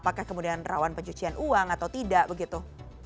apakah kemudian rawan pencucian uang atau tidak begitu